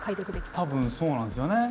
多分そうなんすよね。